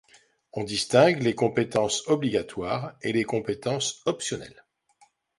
On distingue les compétences obligatoires et les compétences optionnelles.